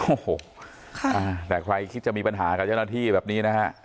โอ้โหแต่ใครคิดจะมีปัญหากับเจ้าหน้าที่แบบนี้นะฮะ